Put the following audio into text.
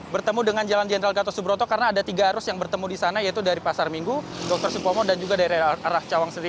bertemu dengan jalan jenderal gatot subroto karena ada tiga arus yang bertemu di sana yaitu dari pasar minggu dr supomo dan juga dari arah cawang sendiri